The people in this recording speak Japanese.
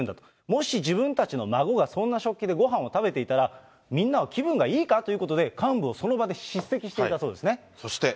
もし自分たちの孫がそんな食器でごはんを食べていたら、みんなは気分がいいかということで、幹部をその場で叱責していたそして。